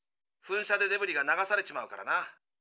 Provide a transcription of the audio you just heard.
ふん射でデブリが流されちまうからな。